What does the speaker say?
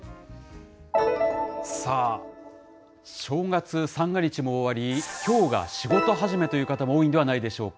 さあ、正月三が日も終わり、きょうが仕事始めという方も多いんではないでしょうか。